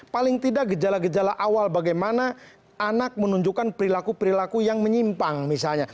paling tidak gejala gejala awal bagaimana anak menunjukkan perilaku perilaku yang menyimpang misalnya